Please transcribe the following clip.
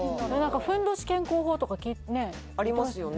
ふんどし健康法とかねありますよね